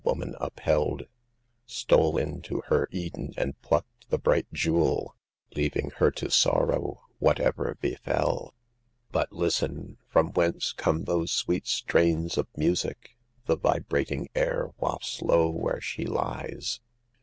) woman upheld, Stole into her Eden and plucked the bright jewel, Leaving her to her sorrow, whatever befel. But listen, from whence come those sweet strains of music The vibrating air wafts low where she lies?